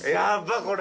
これ。